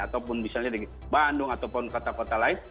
ataupun misalnya di bandung ataupun kota kota lain